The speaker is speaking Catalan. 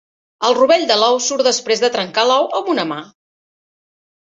El rovell de l'ou surt després de trencar l'ou amb una mà.